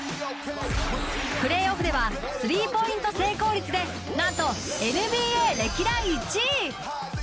プレーオフではスリーポイント成功率でなんとＮＢＡ歴代１位。